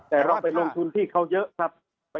แต่เราไปลงทุนที่เขาเยอะครับ